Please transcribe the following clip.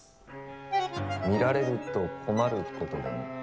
見られると困ることでも？